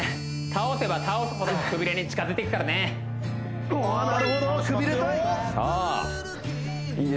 倒せば倒すほどくびれに近づいていくからねああなるほどくびれたい！